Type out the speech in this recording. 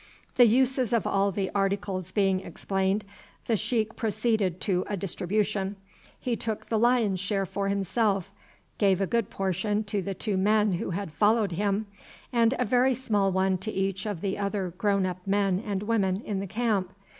The uses of all the articles being explained, the sheik proceeded to a distribution. He took the lion's share for himself, gave a good portion to the two men who had followed him, and a very small one to each of the other grown up men and women in the camp.